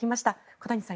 小谷さん